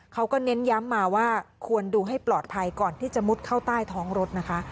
เขาก็เน้นย้ำมาว่าควรดูให้ปลอดภัยก่อนที่จะมุดเข้าใต้ท้องรถนะคะ